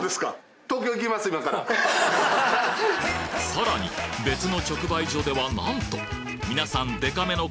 さらに別の直売所ではなんと皆さんデカめの